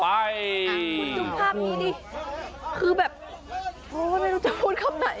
คุณดูภาพนี้ดิคือแบบโอ้ยไม่รู้จะพูดคำไหน